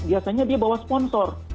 biasanya dia bawa sponsor